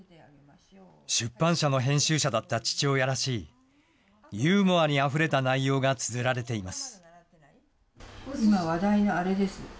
出版社の編集者だった父親らしい、ユーモアにあふれた内容がつづられています。